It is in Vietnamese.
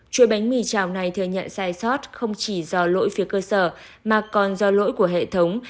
chuỗi bánh mì trào này thừa nhận sai sót không chỉ do lỗi phía cơ sở mà còn do lỗi của hệ thống